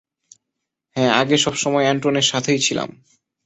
হ্যাঁ আগে সবসময় এন্টনের সাথেই ছিলাম।